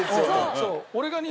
そう。